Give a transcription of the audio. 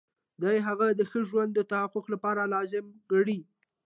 دی هغه د ښه ژوند د تحقق لپاره لازم ګڼي.